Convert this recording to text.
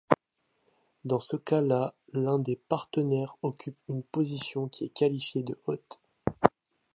Dans ce cas-là, l'un des partenaires occupe une position qui est qualifiée de haute.